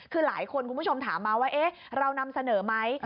คือหลายคนคุณผู้ชมถามมาว่าเรานำเสนอไหม